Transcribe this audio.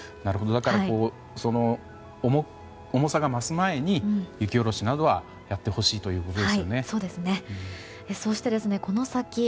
だから重さが増す前に雪下ろしなどはやってほしいということですね。